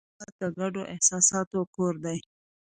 هېواد د ګډو احساساتو کور دی.